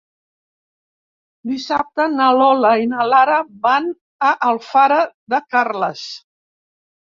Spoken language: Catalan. Dissabte na Lola i na Lara van a Alfara de Carles.